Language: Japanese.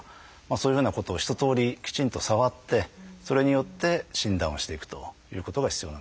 そういうふうなことを一とおりきちんと触ってそれによって診断をしていくということが必要なんですよね。